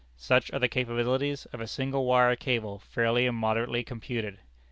"Such are the capabilities of a single wire cable fairly and moderately computed.